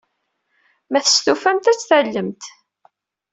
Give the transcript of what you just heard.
Ma testufamt, ad t-tallemt.